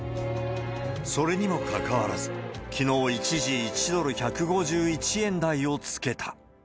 それにもかかわらず、きのう、一時１ドル１５１円台をつけた。